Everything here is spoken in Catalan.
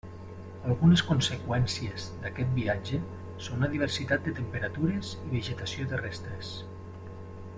Algunes conseqüències d'aquest viatge són la diversitat de temperatures i vegetació terrestres.